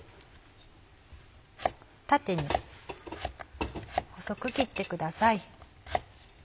縦に細く切ってください。